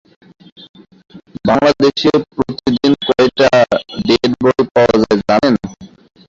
বাংলাদেশে প্রতি দিন কয়টা ডেড বডি পাওয়া যায় জানেন?